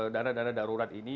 dana dana darurat ini